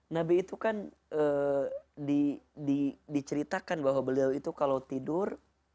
nabi itu kan diceritakan bahwa beliau itu kalau tidur